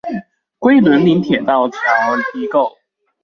龜崙嶺鐵道橋遺構